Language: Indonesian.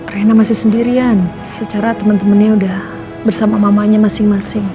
rena masih sendirian secara temen temennya udah bersama mamanya masing masing